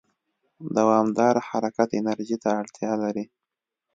دوامداره حرکت انرژي ته اړتیا لري.